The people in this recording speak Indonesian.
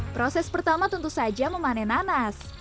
proses pertama tentu saja memanen nanas